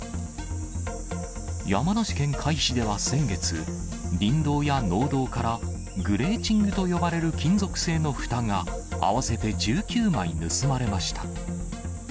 山梨県甲斐市では先月、林道や農道からグレーチングと呼ばれる金属製のふたが、合わせて１９枚盗まれました。